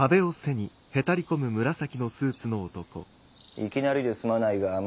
いきなりですまないが六